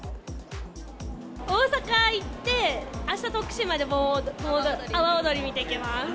大阪行って、あした、徳島で盆踊り、阿波おどり見てきます。